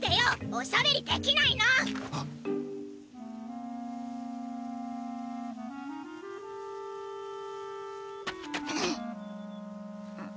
おしゃべりできないの⁉ん？